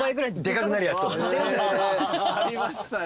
ありましたね。